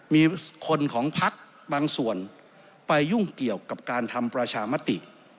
มีคนของพักบางส่วนไปยุ่งเกี่ยวกับการทำประชามติ